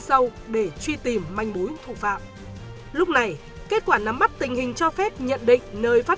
sâu để truy tìm manh mối thủ phạm lúc này kết quả nắm mắt tình hình cho phép nhận định nơi phát